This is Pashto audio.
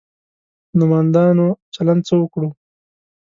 نومندانو چلند څه وکړو.